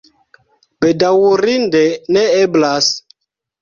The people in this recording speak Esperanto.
Bedaŭrinde, ne eblas.